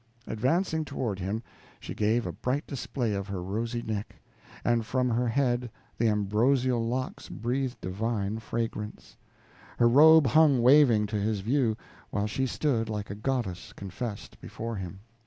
Advancing toward him, she gave a bright display of her rosy neck, and from her head the ambrosial locks breathed divine fragrance; her robe hung waving to his view, while she stood like a goddess confessed before him.